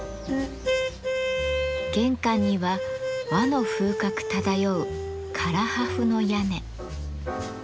玄関には和の風格漂う唐破風の屋根。